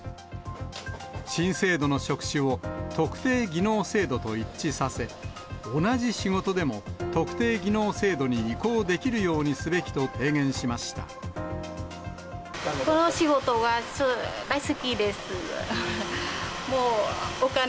新制度の職種を特定技能制度と一致させ、同じ仕事でも特定技能制度に移行できるようにすべきと提言しましこの仕事が大好きです。